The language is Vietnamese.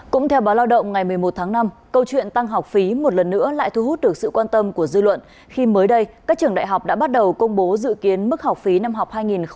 cũng theo báo lao động ngày một mươi một tháng năm câu chuyện tăng học phí một lần nữa lại thu hút được sự quan tâm của dư luận khi mới đây các trường đại học đã bắt đầu công bố dự kiến mức học phí năm học hai nghìn hai mươi hai nghìn hai mươi một